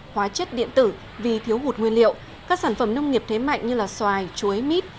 hóa chất điện tử vì thiếu hụt nguyên liệu các sản phẩm nông nghiệp thế mạnh như xoài chuối mít